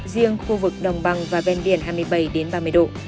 riêng khu vực đồng bằng và ven biển hai mươi bảy ba mươi độ